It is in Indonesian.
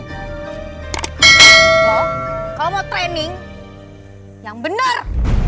lo kalo mau training yang bener